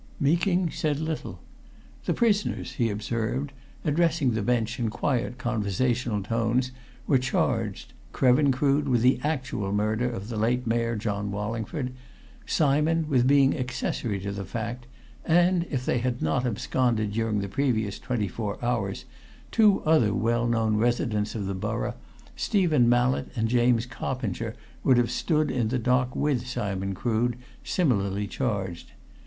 Meeking said little. The prisoners, he observed, addressing the bench in quiet, conversational tones, were charged, Krevin Crood with the actual murder of the late Mayor, John Wallingford; Simon, with being accessory to the fact, and, if they had not absconded during the previous twenty four hours, two other well known residents of the borough, Stephen Mallett and James Coppinger, would have stood in the dock with Simon Crood, similarly charged.